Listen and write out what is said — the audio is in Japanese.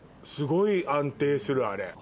すごい安定するあれ。